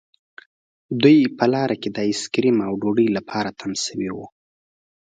دوی په لاره کې د آیس کریم او ډوډۍ لپاره تم شوي وو